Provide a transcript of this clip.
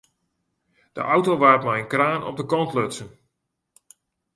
De auto waard mei in kraan op de kant lutsen.